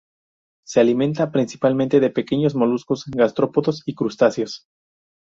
Se alimenta principalmente de pequeños moluscos gastrópodos y crustáceos.